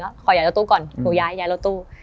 ขอย้ายรถตู้ก่อนหนูย้ายรถตู้